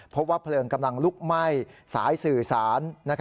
พบว่าเพลิงกำลังลุกไหม้สายสื่อสาร